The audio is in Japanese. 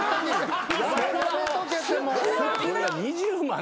２０万